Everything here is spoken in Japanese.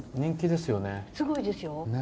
すごいですよ。